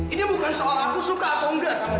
ini bukan soal aku suka atau enggak sama dia